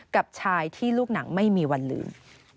กับชายที่ลูกหนังไม่มีวันลืม